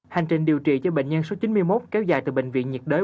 hành trình điều trị cho bệnh nhân số chín mươi một kéo dài từ bệnh viện nhiệt đới